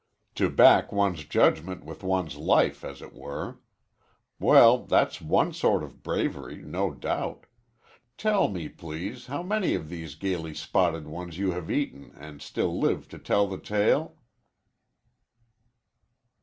"To back one's judgment with one's life, as it were. Well, that's one sort of bravery, no doubt. Tell me, please, how many of these gayly spotted ones you have eaten and still live to tell the tale?"